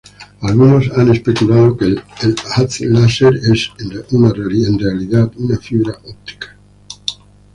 Algunos han especulado que el haz láser es en realidad una fibra óptica.